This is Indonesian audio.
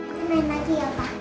pengen main lagi ya pak